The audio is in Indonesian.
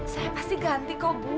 saya pasti ganti kau bu